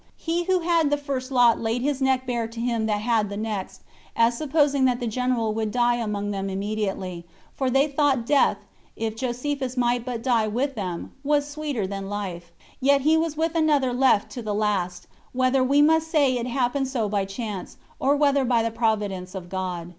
He who had the first lot laid his neck bare to him that had the next, as supposing that the general would die among them immediately; for they thought death, if Josephus might but die with them, was sweeter than life; yet was he with another left to the last, whether we must say it happened so by chance, or whether by the providence of God.